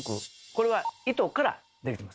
これは糸からできてます。